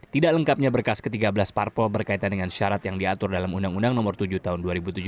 tidak lengkapnya berkas ke tiga belas parpol berkaitan dengan syarat yang diatur dalam undang undang nomor tujuh tahun dua ribu tujuh belas